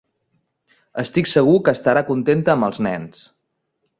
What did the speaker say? Estic segur que estarà contenta amb els nens.